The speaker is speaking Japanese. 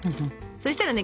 そしたらね